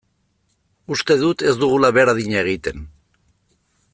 Uste dut ez dugula behar adina egiten.